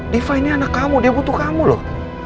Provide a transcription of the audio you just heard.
diva ini anak kamu dia butuh kamu loh